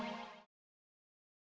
kamu mau jemput ke arab kang dadang